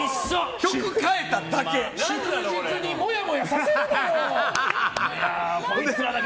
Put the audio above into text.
曲変えただけ。